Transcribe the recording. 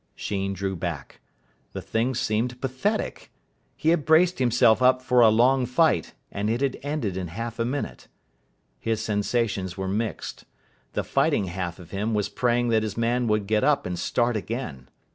Sheen drew back. The thing seemed pathetic. He had braced himself up for a long fight, and it had ended in half a minute. His sensations were mixed. The fighting half of him was praying that his man would get up and start again.